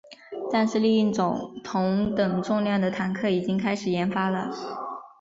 但是另一种同等重量的坦克已经开始研发了。